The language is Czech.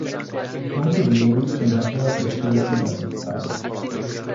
Z tohoto důvodu jsem hlasoval pro přijetí této zprávy.